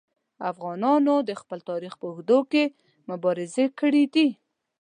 افغانانو د خپل تاریخ په اوږدو کې مبارزې کړي دي.